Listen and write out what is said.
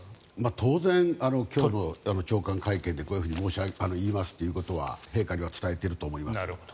当然、長官会見でこう言いますということは陛下には伝えていると思います。